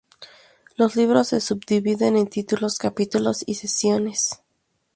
Los libros se subdividen en títulos, capítulos y secciones.